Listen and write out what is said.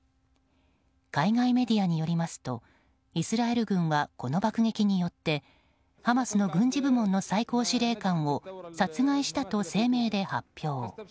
海外メディアによりますとイスラエル軍はこの爆撃によってハマスの軍事部門の最高司令官を殺害したと声明で発表。